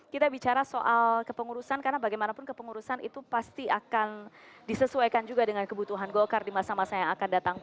kita bicara soal kepengurusan karena bagaimanapun kepengurusan itu pasti akan disesuaikan juga dengan kebutuhan golkar di masa masa yang akan datang